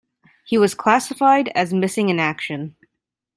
He was classified as missing in action.